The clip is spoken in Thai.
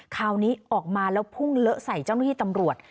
คราวนี้ออกมาแล้วพุ่งเลอะใส่เจ้าหน้าที่ตำรวจ